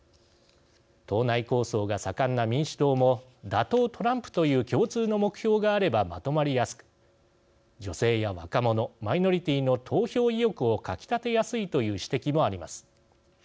党内抗争が盛んな民主党も打倒トランプという共通の目標があればまとまりやすく女性や若者、マイノリティーの投票意欲をかきたてやすいという指摘もあります。